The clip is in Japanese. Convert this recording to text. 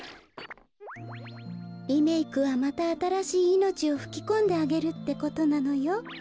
リメークはまたあたらしいいのちをふきこんであげるってことなのよ。